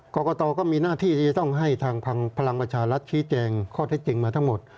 กรกตก็มีหน้าที่ที่จะต้องให้ทางพลังประชารัฐชี้แจงข้อเท็จจริงมาทั้งหมด